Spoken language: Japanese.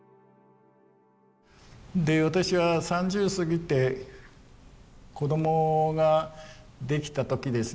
私は３０過ぎて子供ができた時ですね。